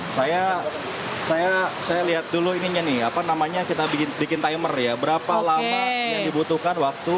saya saya lihat dulu ininya nih apa namanya kita bikin timer ya berapa lama dibutuhkan waktu